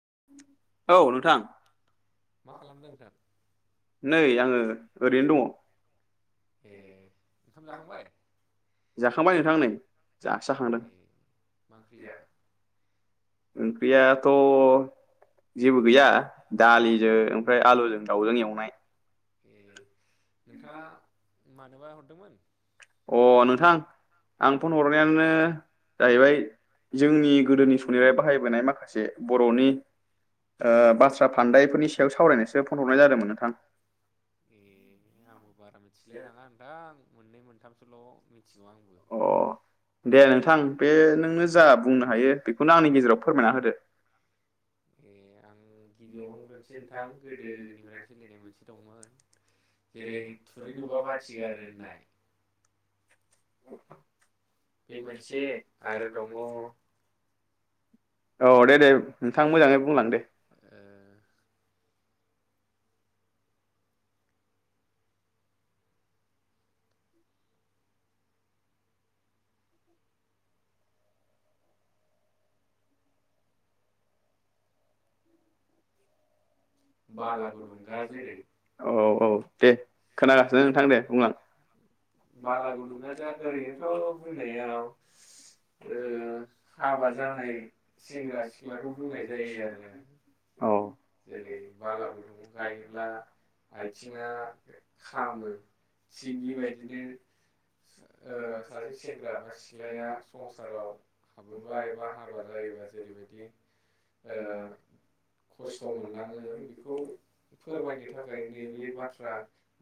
[inaudible] मा खालामदों सार नै आङो ओरैनो ए ओंखाम दङ जाखांबाय जाखांबाय नोंथां नै दासो जाखांदों ए मा ओंख्रि जाखो ओंख्रियाथ जेबो गैया दालिजों ओमफ्राय आलुजों दाउजों एवनाय ए नोंथाङा मानोबा हरदोंमोन अ नोंथां आं फन हरनायानो जाहैबाय जोंनि गोदोनि [unintelligible] नाय माखासे बरनि ओ बाथ्रा फान्दायफोरनि सायाव सावरायनोसो फन हरनाय जादोंमोन नोंथां ए आंबो बारा मिथिलाय लाङा आं दा मोननै मोनथामसोल मिन अ दे नोंथां बे नोंनो जा बुंनो हायो बेखौनो आंनि गेजेराव फोरमायना होदो [unintelligible] आं गिबियाव बुंग्रोनोसै नोंथां गोदोनिफ्रायनो सोलिनाय मोनसे दंमोन जेरै थुरि नुबा बाथि गारो होननाय बे मोनसे आरो दङ औ दे दे नोंथां मोजाङै बुंलां दे बाला गुदुंगा जेरै औ औ दे खोनागासिनो नोंथां दे बुंलां बाला गुदुंगा जा ओरैनोथ' बुंनायाव ओ हाबा जानाय सेंग्रा सिख्लाखौ बुंनाय जायो आरो औ गुदुं आव गायोब्ला आथिङा खामो थिग बेबायदिनो ओ सासे सेंग्रा बा सिख्लाया संसाराव हाबोबा एबा हाबा जायोबा ओ जेरैबायदि खस्थ मो [unintelligible] बेखौ फोरमायनो थाखाय नैबे बाथ्रा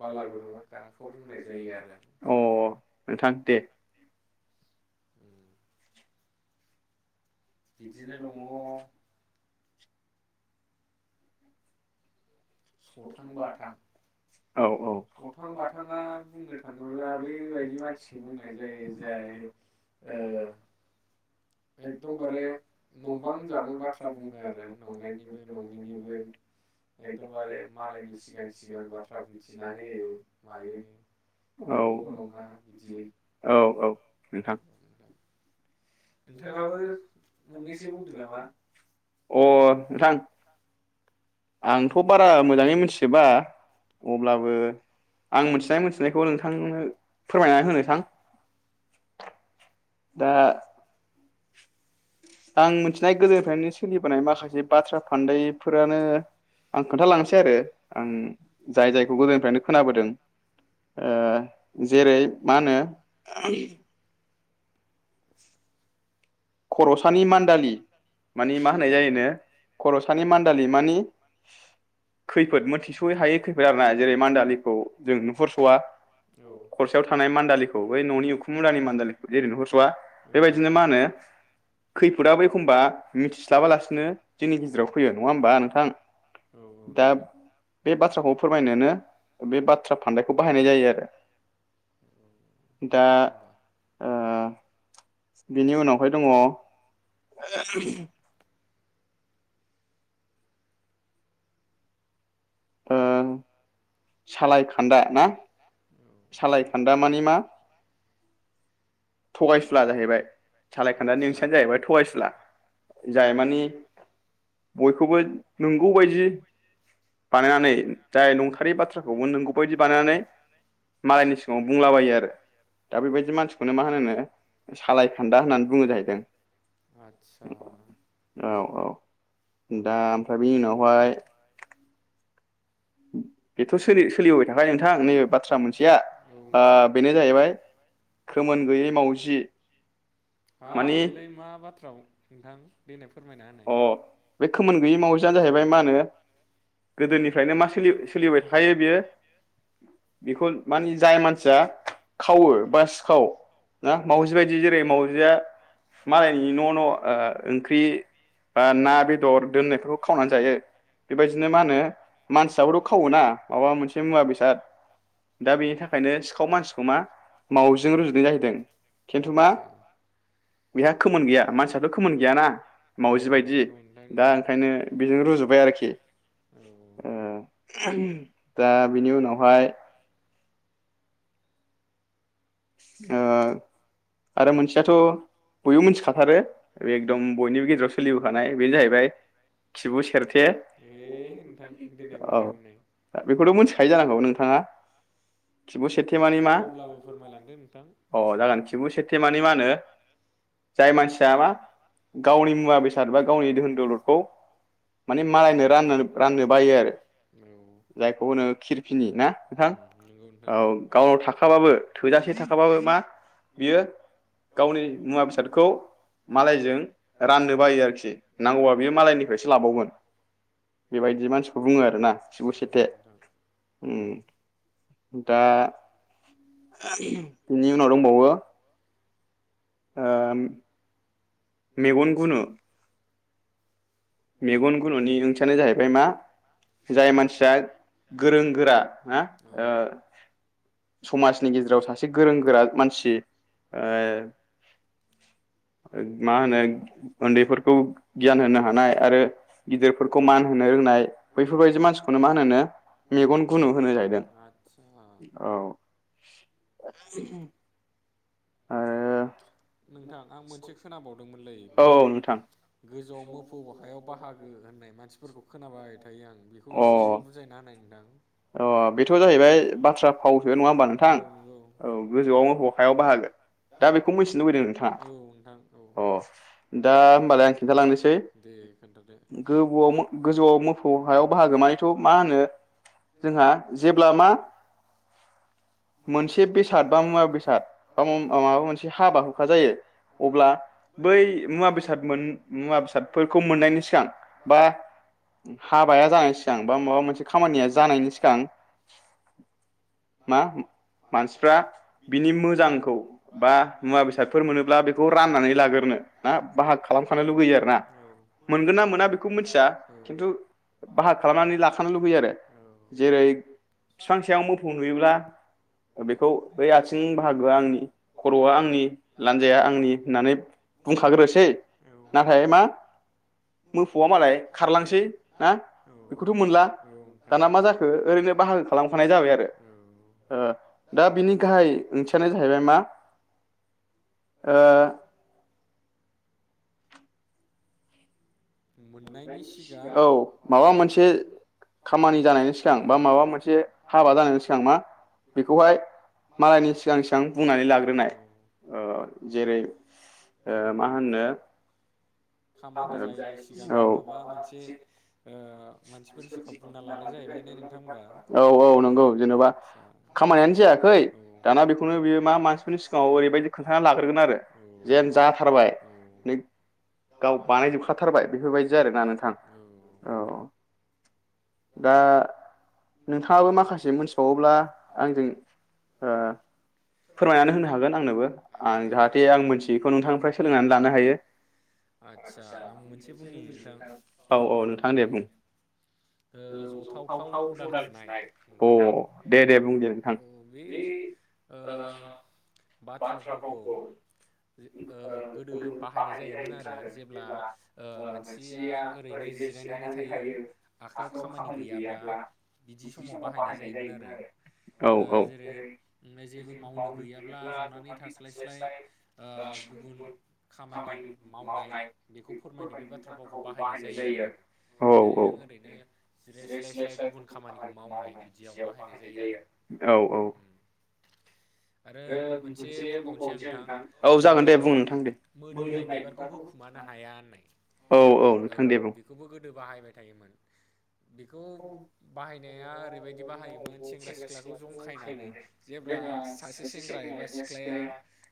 बालागुदुुङाव गाखौ बुंनाय जायो आरो अ नोंथां दे उम बिदिनो दङ सथां बाथां अथां बाथाङा बुंनो थाङोब्ला बैबायदि मानसिखौ बुंनाय जायो जाय ओ औ एकदमबारे नंबां जाबां बाथ्रा बुङो आरो नंनायनिबो नङिनिबो एकदमबारे औ औ मालायनि सिगां सिगां बाथ्रा बुंथिना होयो मायो नंगौ नङा बिदि औ औ नोंथां नोंथाङाबो मोननैसो बुंदो नामा अ नोंथां आंथ बारा मोजाङै मिनथिजोबा अब्लाबो आं मिनथिनाय मिनथिनायखौ नोंथांनो फोरमायनानै होनोसां दा आं मिथिनाय गोदोनिफ्रायनो सोलिबोनाय माखासे बाथ्रा फान्दायफोरानो आं खोन्थालांनोसै आरो आं जाय जायखौ गोदोनिफ्रायनो खोनाबोदों ओ जेरै मा होनो खर'सानि मान्दालि मानि मा होननाय जायोनो खर'सानि मान्दालि मानि खैफोद मोनथिस'यै हायै खैफोद आर ना जेरै मान्दालिखौ जों नुहरस'वा औ खरसायाव थानाय मान्दालिखौ बै ननि उखुम मुदानि मान्दालिखौ जेरै नुहरसवा बेबायदिनो मा होनो खैफोदाबो एखमबा मिथिस्लाबालासिनो जोंनि गेजेराव फैयो नंङा होमबा नोंथां औ औ दा नोंथां बे बाथ्राखौ फोरमायनोनो बे बाथ्रा फान्दायखौ बाहायनाय जायो आरो औ दा बिदिसो होमबा बिनि उनावहाय दंङ सालाय खान्दा ना? सालायखान्दा मानि मा थगायसुला जाहैबाय औ सालायखान्दा ओंथियानो जाहैबाय थगायसुला आदसा जाय मानि बयखौबो नंगौ बायदि बानायनानै जाय नंथारै बाथ्राखौबो नोंगौ बायदि बानायनानै मालायनि सिगाङाव बुंलाबायो आरो दा बेबायदि मानसि बेखौनो मा होनो सालायखान्दा होननानै बुंङो जाहैदों आदसा औ औ औ दा ओमफ्राय बेनि उनावहाय [inaudible] बेथ' सोलि सोलिबोबाय थाख नोंथां नैबे बाथ्रा मोनसेया नोंथां बेनो जाहैबाय खोमोन गैयै मावजि हाब मानि बेलाय मा बाथ्राव [inaudible] अ बे खोमोन गैयि मावजिानो जाहैबाय मा होनो गोदोनिफ्रायनो मा सोलिबाय थाखायो बेयो बेखौ मानि जाय मानसिया खावो बा सिखाव ना औ मावजि बायदि जेरै मावउजिया मालायनि न' न' ओंख्रि बा ना बेदर दोननायफोरखौ खावनानै जायो बेबायदिनो मा होनो मानसियाबोथ' खावो ना माबा मोनसे मुवा बेसाद दा बेनि थाखायनो सिखाव मानसिखौ मा मावजिजों रुजुनाय जाहैदों खिन्थु मा आदसा बेहा खोमोन गैया मानसियाथ' खोमोन गैयाना। औ मावजि बायदि औ नोंथां दा नंगौ ओंखायनो बेजों रुजुबाय आरोखि औ दा बेनि उनावहाय ओ आरो मोनसेयाथ' बयबो मोनथिखाथारो एकदम बयनिबो गेजेराव सोलिबोखानाय बेनो जाहैबाय खिबु सेरथे ए नोंथां देनाय औ बुंनाय बुंनाय दा बेखौथ' मोनथिखायो जानांगौ नोंथाङा खिबु सेरथे मानि मा अब्लाबो फोरमायलांदो नोंथां अ जागोन खिबु से माने मा होनो जाय मानसिया मा गावनि मुवा बेसाद बा गावनि दोहोन दलदखौ माने मालायनो रा राननो बायो आरो औ जायखौ होनो खिरफिनि ना नोंथां उम नंगौ नोंथां नंगौ औ गावनाव थाखाबाबो थोजासे थाखाबाबो मा बियो गावनि मुवा बेसादखौ मालायजों राननो बायो आरोखि नांगौबा बेयो मालायनिफ्रायसो लाबावगोन बेबायदि मानसिखौ बुङो आरोना सिबु औ सेरथे नोंथां दा इनि उनाव दंबावो ओ मेगन गुनो मेगन गुुनुनि ओंथियानो जाहैबाय मा जाय मानसिया गोरों गोरा ना औ ओ समाजनि गेजेराव सासे गोरों गोरा मानसि ओ मा होनो उन्दैफोरखौ गियान होनो हानाय आरो गिदिरफोरखौ मान होनो रोंनाय बैफोरबायदि मानसिखौनो मा होनोनो मेगन गुनु होनो जाहैदों आदसा औ। ओ नोंथां आं मोनसे खोनाबावदोंमोनलै। औ ऐ औ नोंथां बै गोजौआव मोफौ हायाव बाहागो होननाय मानसिफोरखौ खोनाबाय थायो आं बेखौ एसे अ बुजायना होनाय नोंथां। अ बेथ' जाहैबाय बाथ्रा फावसो नङा होमबा औ नोंथां नंगौ औ गोजौआव मोफौ हायाव बाहागो दा बेखौ मिथि थिनोलुबैदों नोंथाङा औ नोंथां औ अ दा होमबालाय आं खिन्थालांनोसै दे खोन्थादो गोबौवाव मो गोजौआव मोफौ हायाव बाहागो मानिथ' मा होनो जोंहा जेब्ला मा मोनसे बेसाद बा मुवा बेसाद बा माबा मोनसे हाबाखौ खा जायो अब्ला बै मुवा बेसाद मोन मुवा बेसादफोरखौ मोननायनि सिगां बा हाबाया जानायनि सिगां बा माबा मोनसे खामानिया जानायनि सि सिगां मा मानसिफ्रा बिनि मोजांखौ बा मुवा बेसादफोर मोनोब्ला बेखौ राननानै लाग्रोनो ना बाहाग खालामखानो लुगैयो आर ना औ मोनगोन ना मोना बेखौ मिथिया औ खिन्थु बाहाग खालामनानै लाखानो लुगैयो आरो। औ जेरै बिफांसायाव मोफौ नुयोबोला बेखौ बै आथिं बाहागोआ आंनि खर'वा आंनि लान्जाइया आंनि होनानै बुंखाग्रोसै नाथाय मा औ मोफौआ मालाय खारलांसै ना बेखौथ' मोनला औ नोंथां दाना मा जाख ओरैनो बाहागो खालामखानाय जाबाय आरो। औ ओ दा बिनि गाहाय ओंथियानो जाहैबाय मा ओ मोननायनि सिगां औ माबा मोनसे खामानि जानायनि सिगां बा माबा मोनसे हाबा जानायनि सिगां मा बेखौहाय मालायनि सिगां-सिगां बुंनानै लाग्रोनाय औ ओ जेरै ओ मा होननो खामानि जायैनि सि मानसिफोरनि सिगाङाव बुंना लानो जाहैबाय ने नोंथां होमबा औ [inaudible] औ-औ नंगौ जेन'बा आदसा खामानियानो जायाखै औ दाना बेखौनो बेयो मा मानसिफोरनि सिगाङाव ओरैबायदि खोन्थाना लाग्रोगोन आरो जेन जाथारबाय न गाव बानायजोबखाथारबाय। बेफोरबायदि आरोना नोंथां औ। दा नोंथाङाबो माखासे मोनथिबावोब्ला आंजों ओ फोरमायनानै होनो हागोन आंनोबो। जाहाथे आं मोनथियिखौ नोंथांनिफ्राय सोलोंनानै लानो हायो आदसा आंबो मोनसे बुं मोनसे बुंनो नोंथां औ-औ नोंथां दे बुं ओ ज' जथावथाव थाव-थाव अदाल खुनाय नोंथां अ दे-दे बुं दे नोंथां बे ओ बाथ्रा फाव [unintelligible] ओ गोदो बाहायनाय जायोमोन आरो जेब्ला ओ ओ मानसिया ओरैनो जिरायनानै थायो आखाइाव खामानि गैयाब्ला मोनसे समाव बाहायनाय जायोमोन आरो औ-औ जेरै जेबो मावनो गैयाब्ला ज'नानै स्लाय-स्लाय गुबुन खामानि मावनाय बेखौ फोर बाथ्राफावखौ बाहायनाय जायो आरो औ जेरै नों ओरैनो जिराय स्लाय स्लाय गुबुन खामानिखौ मावनाय बिदियाव बाहायनाय जायो औ औ आरो आरो मोनसे बुंबावनोसै आं नोंथां औ ओ जागोन दे बुं नोंथां दे मोदोमनाय बिबारखौ होखुमानो हाया होननाय औ औ नोंथां दे बुं। बेखौबो गोदो बाहायबाय थायोमोन। बेखौ बाहायनाया ओरैबायदि बाहायोमोन सेंग्रा सिख्लाखौ जंखायनानै जेब्ला सासे सेंग्रा एबा सि ख्लाया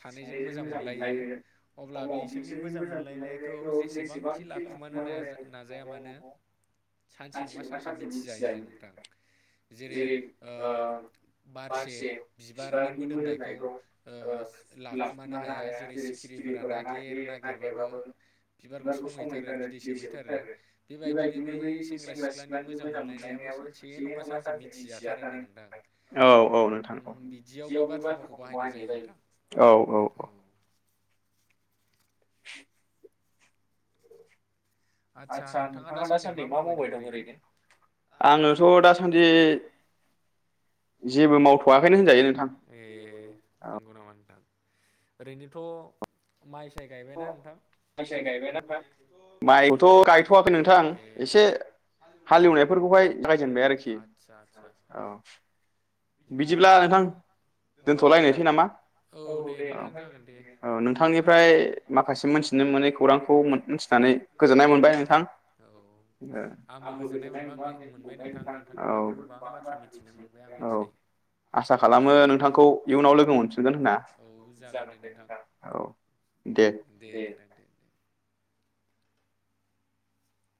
सानैजों मोजां मोनलायो अब्ला बिसोरनि मोजां मोनलायनायखौ जेसेबांखि लाखुमानो नायाजा नाजाया मानो सानसे सानसे मिथिजायोनो नोंथां जेरै ओ बारसे बिबारनि मोदोमनायखौ ओ लाखुमानो हाया जेरै सिखिरिफोरा नागिर नागिरबाबो बिबारखौ संहैथारो बिदै सोबहैथारो बेबायदिनो बै सेंग्रा सिख्ला औ औ नोंथां औ बिदियाव बे बाथ्रा फावखौ बाहायनाय औ जायो नोंथां औ औ। [inaudible] आदसा नोंथाङा आङोथ' दासान्दि मा मावबाय दं ओरैनो दासान्दि जेबो मावथ'वाखैनो होनजायो नोंथां ए औ नंगौ नामा नोंथां ओरैनोथ' माइ साय गायबायना नोंथां? माइखौथ' गायथ'वाखै माइखौथ' गायथ'वाखै नोंथां ए एसे हालेवनायफोरखौहाय [unintelligible] जेनबाय आरोखि आदसा आदसा औ बिदिब्ला नोंथां औ नोंथां दोनथ'लायनोसै नामा औ दे नोंथां जागोन दे अ नोंथांनिफ्राय माखासे मोनथि मोनि मोनै खौरांखौ मोनथिनानै गोजोननाय मोनबाय नोंथां औ आंबो गोजोननाय मोनबाय मोनबाय नोंथां औ नोंथांनिफ्रायबो गोबां बाथ्रा मिथिनो मोनबाय आंबो औ दिनै आसा खालामो नोंथांखौ इयुनाव लोगो मोनफिनगोन होनना औ जागोन दे नोंथां औ दे नोंथां दे दे